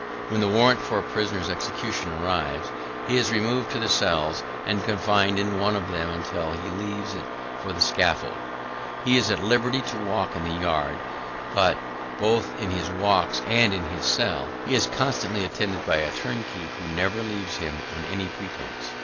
When the warrant for a prisoner's execution arrives, he is removed to the cells and confined in one of them until he leaves it for the scaffold. He is at liberty to walk in the yard; but, both in his walks and in his cell, he is constantly attended by a turnkey who never leaves him on any pretence.